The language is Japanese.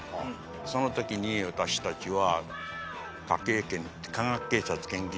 その時に私たちは。